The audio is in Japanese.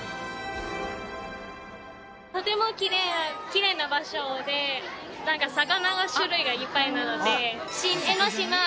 とてもきれいな場所でなんか魚が種類がいっぱいなので。